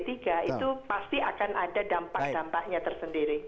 itu pasti akan ada dampak dampaknya tersendiri